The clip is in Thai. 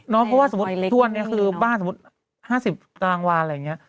น้องเพราะว่าสมมุติช่วงนี้คือบ้านสมมุติ๕๐กลางวานอะไรอย่างนี้